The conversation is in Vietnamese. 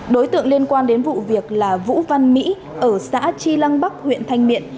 đối tượng liên quan đến vụ việc là vũ văn mỹ ở xã tri lăng bắc huyện thanh miện